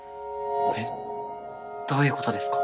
どういうことですか？